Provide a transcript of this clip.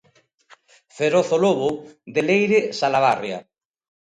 Feroz o lobo, de Leire Salabarria.